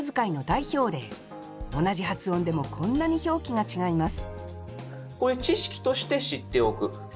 同じ発音でもこんなに表記が違います